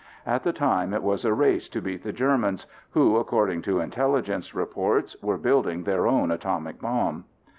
At the time it was a race to beat the Germans who, according to intelligence reports, were building their own atomic bomb.